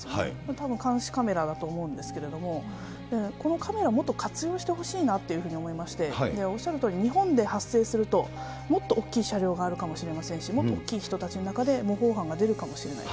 たぶん監視カメラだと思うんですけれども、このカメラ、もっと活用してほしいなと思いまして、おっしゃるとおり、日本で発生すると、もっとおっきい車両があるかもしれませんし、もっと大きい人たちの中で模倣犯が出るかもしれない。